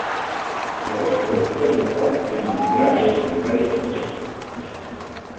Borràs creu que tot i l'acord es mantindrà el calendari electoral